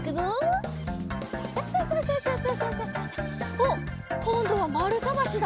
おっこんどはまるたばしだ。